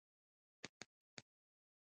انار، آنګور او انځر د کندهار مهم پیداوار دي.